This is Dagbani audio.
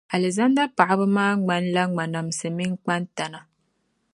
Alizanda paɣaba maa ŋmanila ŋmanamsi mini kpantana.